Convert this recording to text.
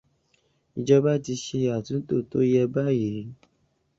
Ìjọba ti ṣe àtúntò tó yẹ báyìí.